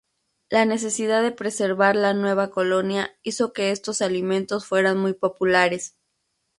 La necesidad de preservar la nueva colonia hizo que estos alimentos fueran muy populares.